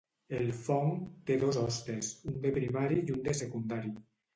El fong té dos hostes, un de primari i un de secundari.